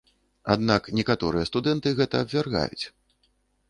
Аднак некаторыя студэнты гэта абвяргаюць.